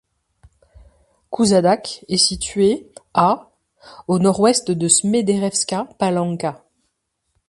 Kusadak est situé à au nord-ouest de Smederevska Palanka.